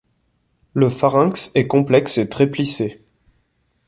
Le pharynx est complexe et très plissé.